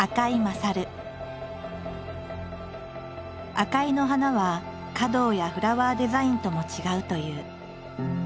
赤井の花は華道やフラワーデザインとも違うという。